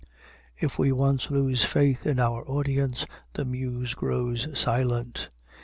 If we once lose faith in our audience, the muse grows silent.